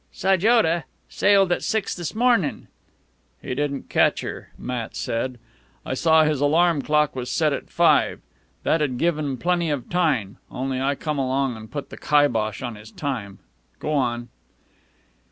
"Sajoda sailed at six this mornin' " "He didn't catch her," Matt said. "I saw his alarm clock was set at five. That'd given 'm plenty of time ... only I come along an' put the kibosh on his time. Go on."